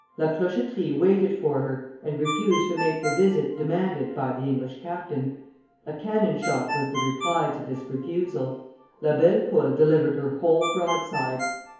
La Clochetterie waited for her and refused to make the visit demanded by the English captain: a cannon shot was the reply to this refusal. La Belle Poule delivered her whole broadside.